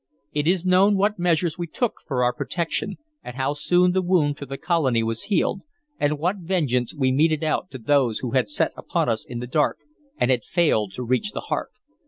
It is known what measures we took for our protection, and how soon the wound to the colony was healed, and what vengeance we meted out to those who had set upon us in the dark, and had failed to reach the heart.